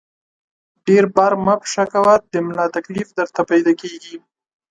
ډېر بار مه په شا کوه ، د ملا تکلیف درته پیدا کېږي!